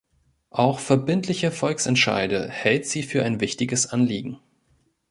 Auch verbindliche Volksentscheide hält sie für ein wichtiges Anliegen.